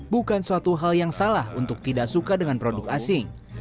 bukan suatu hal yang salah untuk tidak suka dengan produk asing